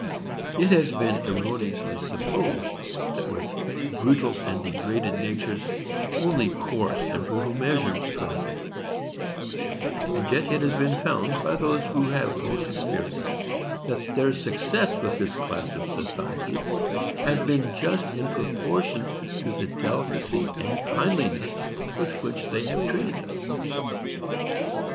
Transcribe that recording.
It has been erroneously supposed that with brutal and degraded natures only coarse and brutal measures could avail; and yet it has been found, by those who have most experience, that their success with this class of society has been just in proportion to the delicacy and kindliness with which they have treated them.